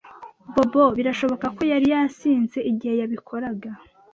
Bobo birashoboka ko yari yasinze igihe yabikoraga.